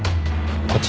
こっち。